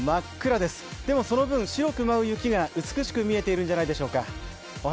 でもその分白く舞う雪が美しく見えているんじゃないでしょうか。